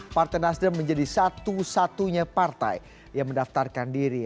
partai nasdem menjadi satu satunya partai yang mendaftarkan diri